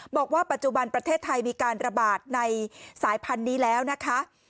บอกว่าปัจจุบันประเทศไทยมีการระบาดในสายพันธุ์นี้แล้วนะคะ